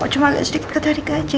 cuma agak sedikit ketarik aja